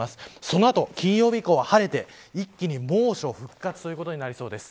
その後、金曜日以降は晴れて一気に猛暑復活となりそうです。